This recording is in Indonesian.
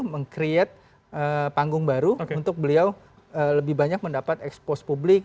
meng create panggung baru untuk beliau lebih banyak mendapat expose publik